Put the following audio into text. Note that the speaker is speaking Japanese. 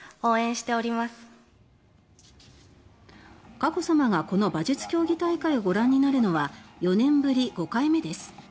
佳子さまがこの馬術競技大会をご覧になるのは４年ぶり５回目です。